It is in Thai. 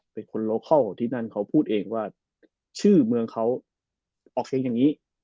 เป็นคนโลเคิลที่นั่นเขาพูดเองว่าชื่อเมืองเขาออกเสียงอย่างนี้